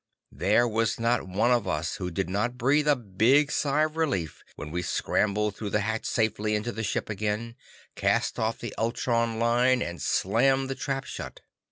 There was not one of us who did not breathe a big sigh of relief when we scrambled through the hatch safely into the ship again, cast off the ultron line and slammed the trap shut.